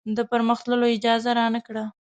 د پرمخ تللو اجازه رانه کړه.